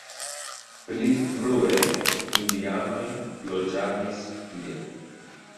Pli frue indianoj loĝadis tie.